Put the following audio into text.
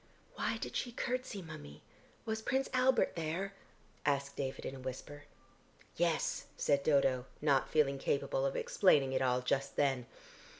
"Why did she curtsey, mummy? Was Prince Albert there?" asked David in a whisper. "Yes," said Dodo, not feeling capable of explaining it all just then.